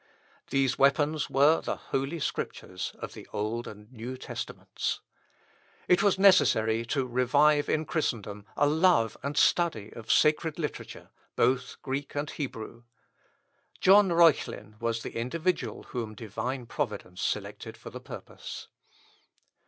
These weapons were the holy Scriptures of the Old and New Testaments. It was necessary to revive in Christendom a love and study of sacred literature, both Greek and Hebrew. John Reuchlin was the individual whom divine Providence selected for this purpose.